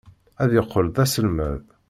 Ad yeqqel d aselmad.